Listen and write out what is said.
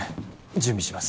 準備します